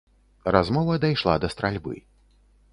Размова дайшла да стральбы.